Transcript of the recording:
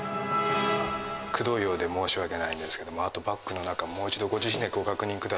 くどいようで申し訳ないんですけれども、あと、バッグの中、もう一度、ご自身でご確認くだ